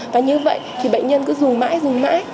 và như vậy thì bệnh nhân cứ dùng mãi dùng mãi